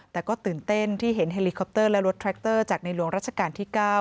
แต่ก็ตื่นเต้นที่เห็นเฮลิคอปเตอร์และรถแทรคเตอร์จากในหลวงราชการที่๙